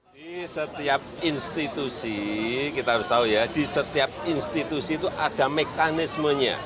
di setiap institusi kita harus tahu ya di setiap institusi itu ada mekanismenya